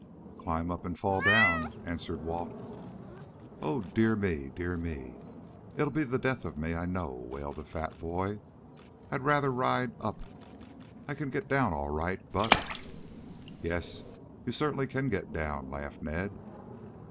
"Climb up and fall down," answered Walt. "Oh, dear me, dear me! It'll be the death of me, I know," wailed the fat boy. "I'd rather ride up. I can get down all right, but " "Yes, you certainly can get down," laughed Ned.